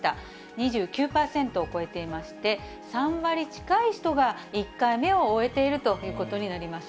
２９％を超えていまして、３割近い人が１回目を終えているということになります。